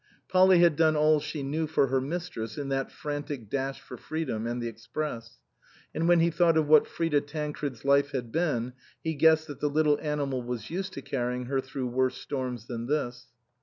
Polly had done all she knew for her mistress in that frantic dash for freedom and the express ; and when he thought of what Frida Tancred's life had been, he guessed that the little animal was used to carrying her through worse storms than this.